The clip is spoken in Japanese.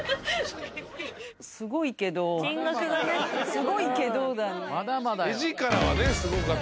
すごいけどだよね。